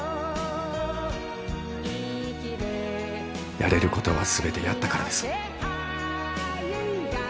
やれることは全てやったからです。